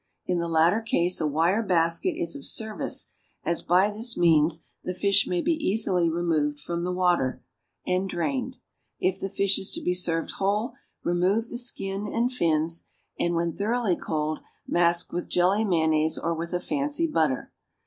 In the latter case a wire basket is of service, as, by this means, the fish may be easily removed from the water and drained. If the fish is to be served whole, remove the skin and fins, and, when thoroughly cold, mask with jelly mayonnaise or with a fancy butter.